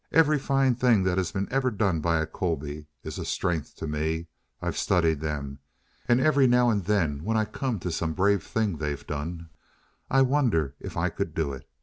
Every fine thing that has ever been done by a Colby is a strength to me. I've studied them. And every now and then when I come to some brave thing they've done, I wonder if I could do it.